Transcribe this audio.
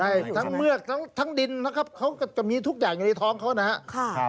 ใช่ทั้งเมือกทั้งดินนะครับเขาก็จะมีทุกอย่างอยู่ในท้องเขานะครับ